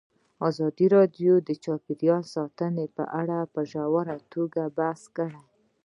ازادي راډیو د چاپیریال ساتنه په اړه په ژوره توګه بحثونه کړي.